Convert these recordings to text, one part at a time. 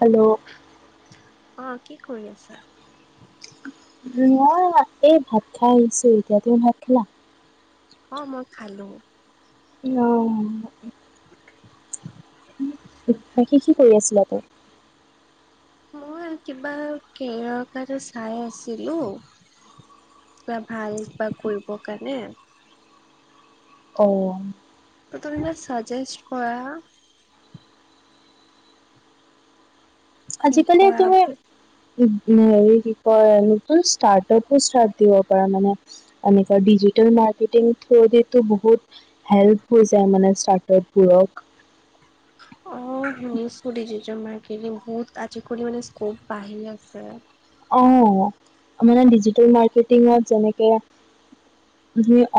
Hello অ কি কৰি আছা? মই এই ভাত খাই আহিছো এতিয়া ত ভাত খালা অ মই খালো। অ বাকী কি [unintelligible] মই কিবা কেৰিয়াৰৰ কাৰণে চাই আছিলো। ক ভাল বা কৰিব কাৰণে অ ত তুমি ম চাজেষ্ট কৰা কি আজিকালি কৰা তুমি উ হেৰি কি কয় এনে ষ্টাৰ্টআপো [unintelligible] এনেকুৱা [unintelligible] [unintelligible] থিওৰিটো বহুত হেল্প হৈ যাই মানে [unintelligible] [unintelligible] [unintelligible] বহুত আজিকালি মানে স্কোপ বাঢ়ি আছে। অ মানে ডিজিটেল মাৰ্কেটিঙত যেনেকে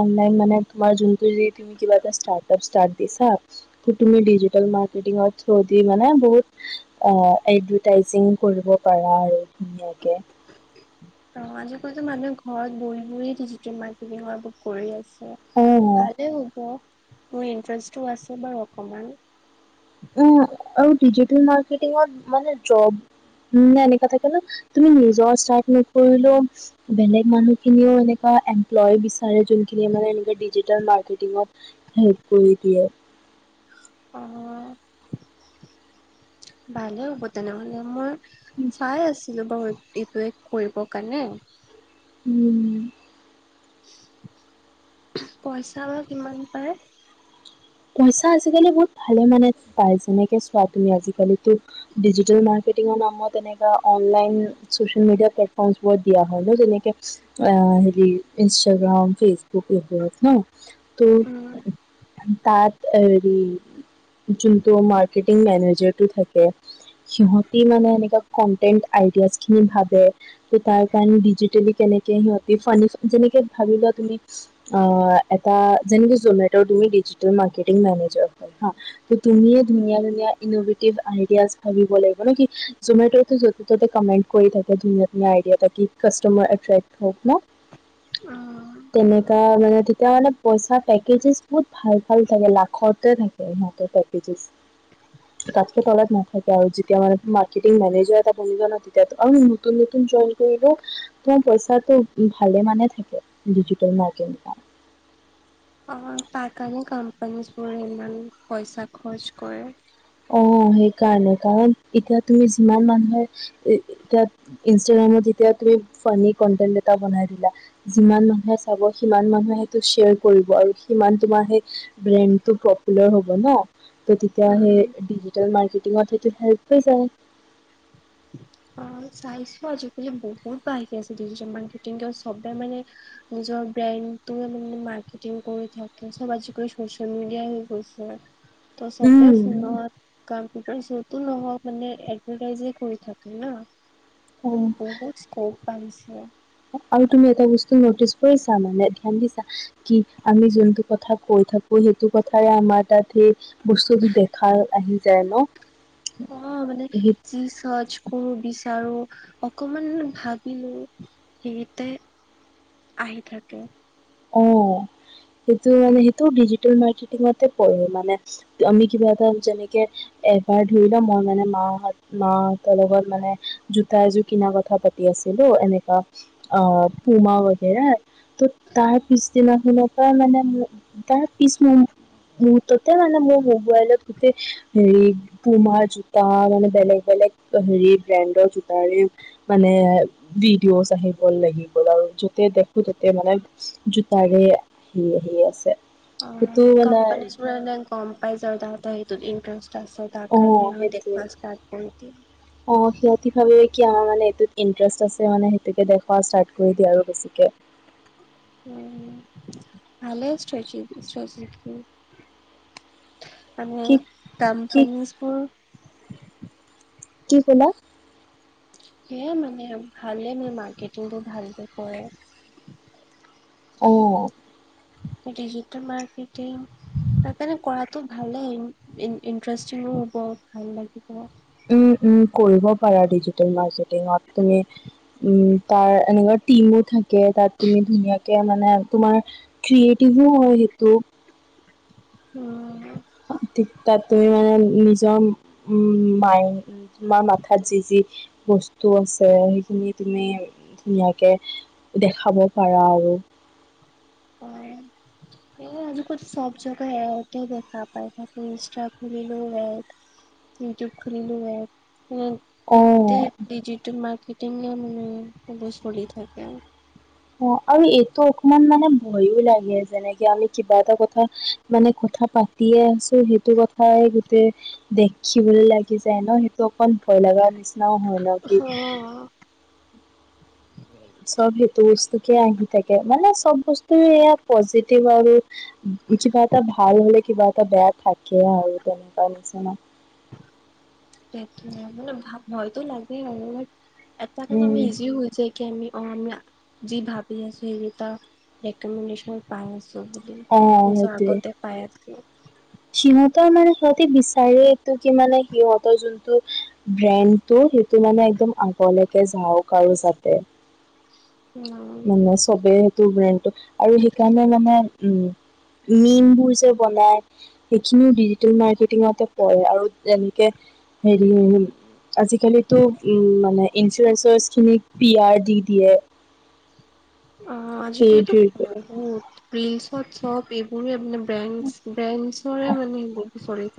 অনলাইন মানে তোমাৰ যোনটো যি তুমি কিবা এটা ষ্টাৰ্টআপ ষ্টাৰ্ট দিছা তুমি ডিজিটেল মাৰ্কেটিঙৰ থ্ৰু দি মানে বহুত অ এডভাৰ্তাইছিং কৰিব পাৰা। আৰু ধুনীয়াকে। অ আজিকালিতো মানুহে ঘৰত বহি ডিজিটেল মাৰ্কেটিং কৰি আছে। অ' ভালে হ'ব মোৰ ইন্টাৰেষ্টটো আছে বাৰু অকমান। উ আৰু ডিজিটেল মাৰ্কেটংৰ মানে জব। উ নে এনেকোৱা থাকে ন তুমি নিজৰ ষ্টাৰ্ট নকৰিলেও বেলেগ মানুহ খিনিও এনেকুৱা। এমপ্লয় বিচাৰে যোনখিনিয় মানে এনেে ডিজিতেল মাৰ্কেটিঙত হেল্প কৰি দিয়ে। [unintelligible] অ ভালেই হ'ব তেনেহলে মোৰ। চাই আছিলো বাৰু এইটোৱে কৰিব কাৰণে। উম। পইচা আমাৰ কিমান পায়। পইা আজালি বহুত ভালে মানে প যেনেকে চোৱা তুজাল ডিজি। অনলাইন চছিয়েল মেডিয়াত েৰি ইাগ্ৰাম ফেচবুক এই ন উম [unintelligible] [unintelligible] তাত হৰি যোনটো মাৰ্কেটিং মেনেজাৰটো থাকে। সিহতে মানে এনে কনটেন্ট আইডিয় খিনি ভাবে ত তাৰ কাৰণে ডিজিটেলি কে। স ভ তুমি এ [unintelligible] তুম ধন ধননভিইডিয় ভাব লাগ [unintelligible] [unintelligible] মান কি জমেট য ত'তে কমেণ্ট কৰি থাকে ধুনীয়া ধুনীয়া আইডিয়া থাকি কাষ্টমাৰ এ হক। ন অ তেনেকাা মানে তেতিয়া মানে পইচা পেকেজছ বহুত ভাল। ভাল থাকে লাখতে থাকে ইহতেৰ পেজছ। তাত কে তলাত নাথাকে আৰু যেতিয়া মান মাৰ্টিং মেনেজাৰ এটা বজ তেতিয়া আৰু নতন নতুন। কৰি ত পইচাটো ভালে মানে থাকে ডিজিটেল ম্কেট [unintelligible] [unintelligible] অ তাৰ কাৰণে কম্পানী বো ইমান পইচা খৰচ কৰে। অ সেইকাৰণে কাৰণ এতিয়া তুমি যিমান মানুহে এতিয়া ইনষ্টাগ্ৰামত। এ বনা যি মান চ সি মানুটো। আৰু সিমান তোমাৰ সেই ব্ৰেণ্ডটো পপুলাৰ হ'ব ন ত তেতিয়া উম সেই। [unintelligible] অ চাইছো আজিকালি বহুত বাহকি আছে দুজন মান কি সবে মানে নিজ। ব্ৰণ্ড মান মাৰ্টিং কৰি থাকে সব আজি কৰিচিয়াল মিডিয়াই হৈ গৈছে। ত' চবে উম ফোনত, কম্পিউটাৰ শ্বতো নহয় মানে এডভাটাইজে কৰি থাক ন! উম অঁ, বহুত স্কপ আহিছে। আৰু তুমি এটা বস্তু নটিচ কৰিছা মানে ধ্যান দিছা কি আমি যোনটো কথা কৈ থাকো সেইটো কথাৰে আমাৰ তাত সেই বস্তুটো দেখাৰ আহি যায় ন? অ' মানে সেই যি চজ কৰো বিচাৰো। অকমান ভাবিলো সেইতে আহি থাকে। অ সেইটো মানে সেইটো ডিজিটেল মাৰ্কেটিঙতে পঢ়ো মানে আমি কিবা এটা যেনেকে এবাৰ ধৰি লও মই মানে মাহাহত মাহতৰ লগত মানে জোতা এযোৰ কিনাৰ কথা পাতি আছো। আছিল এনেকুৱা অ' পুমা বেগেৰে ত তাৰ পিছদিনাখনৰ পৰা মানে তাৰ পিছ ম হম ততে মানে মোৰ মোবাইলত গোটেই হেৰি বোমা জোতা মানে বেলেগ-বেলেগ বেলেগ হেৰি ব্ৰেণ্ডৰ জোতাৰে মানে ভিডিঅ' আহিব লাগিব আৰু য'তে দেখো ততে মানে জোতাৰে সে সি আছে। সেইটো অ' মানে কম্পনজ ম নাই কম পাই য তা হটোত ইণ্ট্ৰেষ্ট তাৰ অ কাৰণে সেইটোৱে দেখ ষ্টাৰ্ কৰি অ দি সিহঁতি ভাবে কি আমাৰ মানে এইটোত ইণ্টাৰেষ্ট আছে মানে সেইটোকে দেখওুৱা ষ্টাৰ্ট কৰি দিয়ে আৰু বেছিকে। উম, ভালে সাজিকি মানে কি কি কম্পানীজ বোৰ কি ক'লা? সেয়া মানে ভালে মে মাৰ্কেটিং বোৰ ভালকে কৰে। অ। ডিজিটেল মাৰ্কেটিং তাৰ কাৰণে কৰাতো ভালেই ইণ ইণ্টাৰেষ্টিঙো হব ভাল লাগিব। উম উম কৰিব পাৰা ডিজিটেল মাৰ্কেটিঙত তুমি উম তাৰ এনেকুৱা টিমো থাকে তাত তুমি ধুনীয়াকে মানে তোমাৰ ক্ৰিয়েটিভো হয় কিটো উম ঠিক তাতে নিজৰ ম মাইন্ড তোমাৰ মাথাত যি যি বস্তু আছে সেইখিনি তুমি ধুনীয়াকে দেখাব পাৰা আৰু। [inaudible] [unintelligible] এই আজি কত চব জাগা এ আই টেই দেখা পাই থাকো। ইনষ্টা খুলিলেও এড ইউটিউব খুলিলেও এড উম অ', গোটেই ডিজিটেল মাৰ্কেট টিঙে মানে এইবোৰ চলি থাকে অ আৰু এইটো অকমান মানে ভয়ো লাগে যেনেকে আমি কিবা এটা কথা মানে কথা পা পাতিয়ে আছো সেইটো কথাই গোটেই দেখিবলৈ লাগি যায় ন! সেইটো অকন ভয় লগা নিচি ন হয় ন কি? অ'। চব সেইটো বস্তুকে আহি থাকে মানে চব বস্তুৱে এয়া পজিটিভ আৰু কিবা এটা ভাল হলে কিবা এটা বেয়া থাকে আৰু তেনেকুৱা নিচিনা। [unintelligible] সেইটোৱে মানে ভা ভয়তো লাগেয়ে আৰু বাট এটা কাৰণে আমাৰ উম। ইজি হৈ যায় কি আমি অ আমি যি ভাবি আছো সেইকেইটা ৰেকমেণ্ডেচন পায় আছো। বুলি অ নিজৰ সেইটোৱে আগতে পায় থাকো। সিহঁতৰ মানে সিহঁতে বিচাৰে এইটো কি মানে সিহঁতৰ যোনটো ব্ৰেণ্ডটো। সেইটো মানে একদম আগলৈকে যাওক আৰু যাতে। উম মানে চবেই ব্ৰেণ্ডটো ব্ৰেণ্ডটো আৰু সেইকাৰণে মানে উম মীন বোৰ যে বনাই সেইখিনিও ডিজিটেল মাৰ্কেটিঙতে পৰে আৰু যেনেকে সেৰি আজিকালিতো উ মানে ইঞ্চুৰেঞ্চ খিনিক পি আৰ দি দিয়ে। অ পেইড আজিকালিতো বহুত ৰিলচত চব এইবোৰ মানে। ব্ৰেচ ব্ৰেণ্ডৰে মানে চব সেইবোৰ।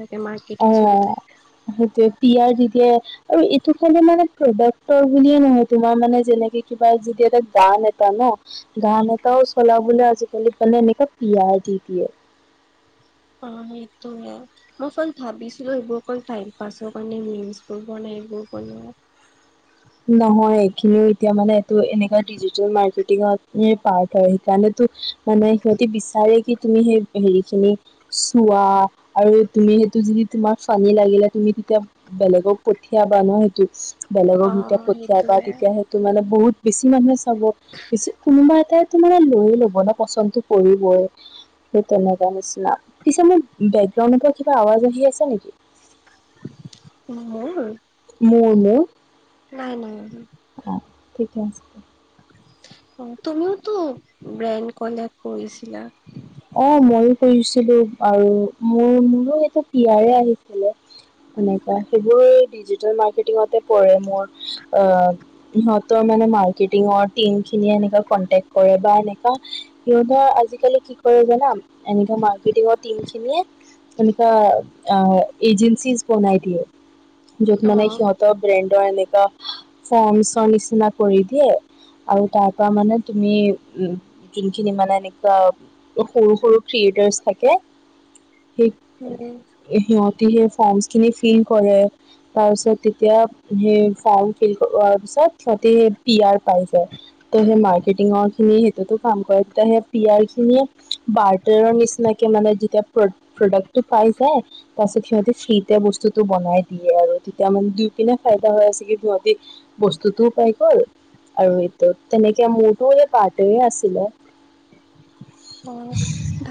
অঁ সেইটোৱেই। পি আৰ দি দিয়ে আৰু এইটো খালে মানে প্ৰডাক্টৰ বুলিয়ে নহয় তোমাৰ মানে যেনেকে কিবা এটা গান এটা ন! গান এটাও চলাবলে আজিকালি মানে এনেকা পিয়াৰ দি দিয়ে। [unintelligible] অ সেইটোয়ে। মই ফাষ্ট ভাবিছিলো এইবোৰ অকল টাইম পাছৰ কাৰণে মিম্ছ বোৰ বনাই এইবোৰ টোপনি ধৰে। [inaudible] খিনিও এতিয়া মানে এইটো এনেুৱ ডিজিটেল মাৰ্কেটিঙত পাৰ্ট হয় সেইকাৰণটো মানে সহ বিচাৰে কি তুমি সেই হেৰি খিনি চোৱা আৰু তুমি সেইটো যদি তোমাৰ পানী লাগিলে তুমি তেতিয়া বেলেগক পঠিয়াবা ন সেইটো। বেলেগক অ যেতিয়া পঠিয়াবা সেইটোয়ে তেতিয়া সেইটো মানে বহুত বেছি মানুহে চাব বেছি কোনোবা এ তোমাৰে লৈয়ে ল'ব ন! পচনতো কৰিবই। সেই তেনেকুৱা নিচিনা পিছে মোৰ বেকগ্ৰাউণ্ডৰ পৰা কিবা আৱাজ আহি আছে নেকি? অ ম [inaudible] মোৰ মোৰ। নাই নাই অহা। অ ঠিকে আছে। তুমিওতো ব্ৰেণ্ড কলেক্ট কৰিছিলা। অ মইো কৰিছিলো আৰু মোৰ মোৰো সটো পয়াৰে আহিছিলে সেনেকোৱা সেইবোৰ ডিজি ম্কটিঙতে প মোৰ অ সহতৰ [inaudible] [unintelligible] জান এনো মাৰ্কেটিং টম খিনিয়ে এনেক এজেিছ ফনাইতিে যত অ মানে সিহতৰ ব্ৰেণ্ডৰ এনো ফৰ নিচিনা কৰি দিয়ে আৰু তাৰ পৰা মানে তুমি উ যোনখিনি মানে এনেকুৱা সৰু সৰু থ্ৰিয়েটাৰছ থাকে, সেই উম সিহঁত সেই ফৰ্মচখিনি ফিল কৰে তাৰপিছত তেতিয়া সেই ফৰ্ম ফিলোৱাৰ পিছত সিহঁতে পি আৰ পাই যায় ত, সেই মাৰ্কেটিঙৰ খিনি সেইটোতো কাম কৰায়াে প বাৰৰ নিচিনাকে মানে যেতিয়া প্ৰডাক্টটো পাই যায় তাৰপিছত সিহ সিতিয়া বস্তুটো বনাই দিয়ে আৰু তেতিয়া মানে দুই কিিনে ফাইদা হৈ আছে কি সহঁতি বস্তুতটো হৈ গ'ল আৰু এইটো তেনেকে মোৰতো এ পাৰটে আছিলে। অ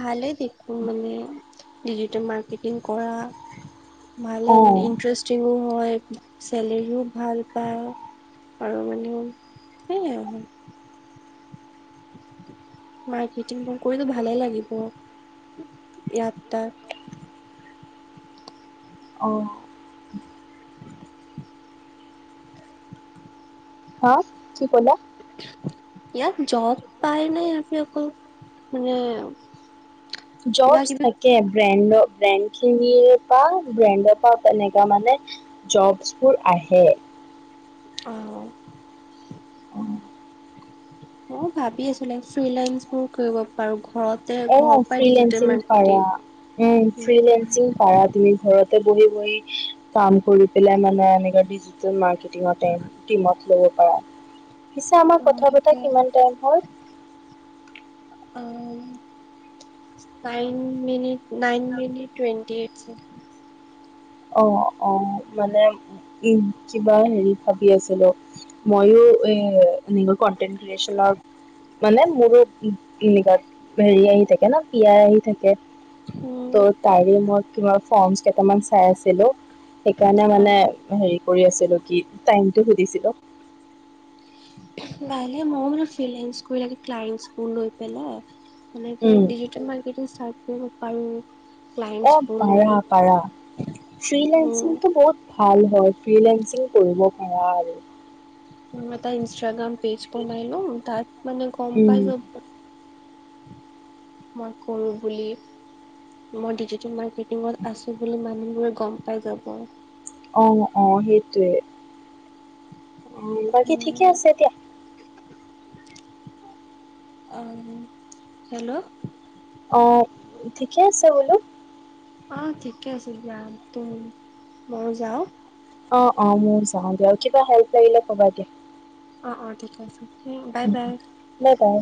ভালে দেখো মানে। ডিজি মাৰ্কেটিং কৰা ভাল অঁ ইণ্টাৰেষ্টিং হয় চেলেৰিীও ভাল পা আৰু মানে সেয়াই মাৰেটিং ব কৰিতো ভালে লাগিব ইয়াত তাত অঁ হা কি হ'লা? ইয়াত জব পাই নে ইয়াতে অকল মানে জবছ কিবা কিবি থাকে ব্ৰেণ্ডৰ ব্ৰেণ্ড খিনিয়ে পা ব্ৰেণ্ডৰ পা তেনেকাা মানে জবছবোৰ আহে। অঁ। অ ভাবি আছিলে ফ্ৰ্ৰী লাই বোৰ কৰিব পাৰো ঘৰতে অ ঘৰৰ পৰাই ডিজিটেল ফ্ৰিং মাৰ্কেটিং পাৰা উ ফ্ৰিং পাৰা তুমি ঘৰত বহি বহি কাম কৰি পেলাই মানে এনে ডিজিটেল মাৰ্কেটিঙ টিমত লব পাৰা। পিছা অ আমাৰ কথা বতা সেইটোৱে কিমান টাইম হল অ nine minute nine minute twenty এইটছেে অ' অ' মানে উ কিবা হেৰি ভাবি আছিলো [inaudible] ময়ো এ নি কণ্টেণ্ট ক্ৰিয়েচন মানে মোৰো তেনেকুৱা হেৰি আহি থাকে ন পিয়াই আহি থাকে। উম ত' তাৰে মই কিব ফৰ্মচ কেইটামান চাই আছিলো সেইকাৰণে অ মানে হেৰি কৰি আছিলো কি টাইমটো সুধিছিলো ন ম ম ফ লৈ পেলাই তেনেকে উম। ডিজিটেল মাৰ্কেট চাৰ্ কৰিব পাৰো। অ ক্লাইণ্টছবোৰ লৈ পাৰা পাৰা ফ্ৰসিংটোো উম বহুত ভাল হয় ফ্ৰলেেসিং কৰিব পাৰা আৰু এটা ইনষ্টাগ্ৰাম পেজ বনাই লো তাত মানে গম উম পাই যাব মই কৰো বুলি মই ডিজি মিত আছো বুলি মান ম গম পাই যাব [inaudible] আহ অ সেইটোৱে অ বাকী ঠিকে উম, আছে এতিয়া আহ হেল্ল' অ ঠিকে আছে বোলো অ ঠিকে আছে দিয়া তুম মই যাও অ অ মোৰ চাওঁ দে কিবা হেল্প লাগিলে কবা দিয়ে। অ', অ', ঠিক আছে বাই বাই। Bye bye.